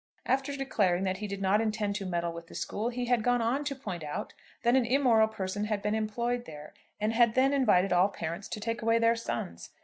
After declaring that he did not intend to meddle with the school, he had gone on to point out that an immoral person had been employed there, and had then invited all parents to take away their sons.